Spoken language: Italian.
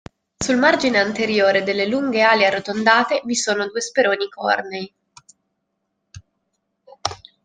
Sul margine anteriore delle lunghe ali arrotondate vi sono due speroni cornei.